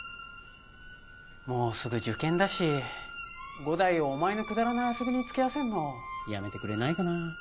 もうすぐ受験だし伍代をお前のくだらない遊びに付き合わせんのやめてくれないかな